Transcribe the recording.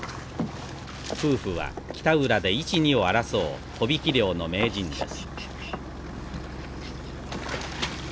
夫婦は北浦で一二を争う帆引き漁の名人です。